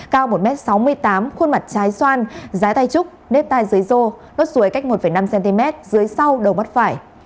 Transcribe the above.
cao một m sáu mươi tám khuôn mặt trái xoan giái tai trúc nếp tai dưới rô nốt ruối cách một năm cm dưới sau đầu mắt phải